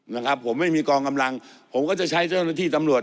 นะครับผมไม่มีกองกำลังผมก็จะใช้เจ้าหน้าที่ตำรวจ